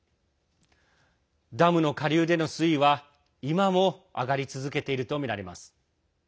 ダムの下流での水位は、今も上がり続けているとみられます。